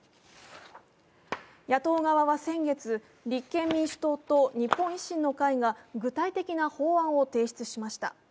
野党側は先月、立憲民主党と日本維新の会が具体的な法案を提出しました。